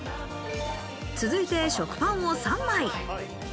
続いて食パンを３枚。